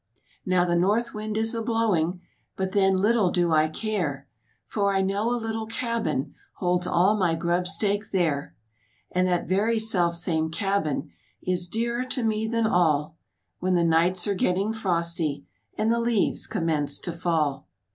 Now the north wind is a blowing But, then little do I care, For I know a little cabin Holds all my grubstake there. And that very self same cabin Is dearer to me than all, When the nights are getting frosty And the leaves commence to fall.